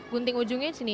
gunting ujungnya di sini